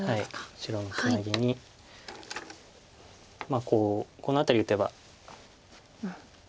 白のツナギにこうこの辺り打てば。